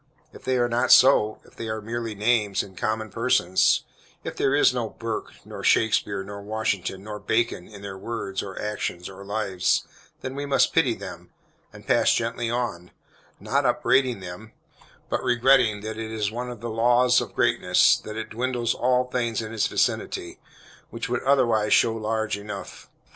If they are not so, if they are merely names, and common persons if there is no Burke, nor Shakespeare, nor Washington, nor Bacon, in their words, or actions, or lives, then we must pity them, and pass gently on, not upbraiding them, but regretting that it is one of the laws of greatness that it dwindles all things in its vicinity, which would otherwise show large enough.